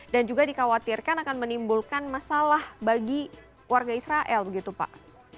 dan juga dikhawatirkan akan menimbulkan masalah bagi warga israel begitu pak